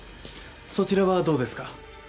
そちらはどうですか？